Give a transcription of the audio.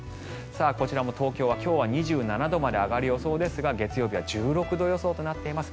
こちらも東京は今日は２７度まで上がる予想ですが月曜日は１６度予想となっています。